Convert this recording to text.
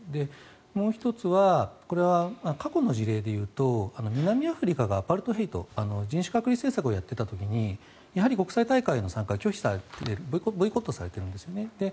もう１つはこれは過去の事例で言うと南アフリカがアパルトヘイト人種隔離政策をやっていた時にやはり国際大会への参加を拒否されてボイコットされているんですね。